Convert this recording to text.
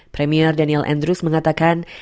premier daniel andrews mengatakan